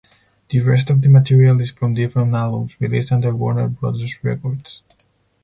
The rest of the material is from different albums released under Warner Brothers Records.